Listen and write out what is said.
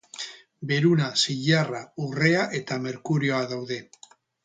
Beruna, zilarra, urrea eta merkurioa daude.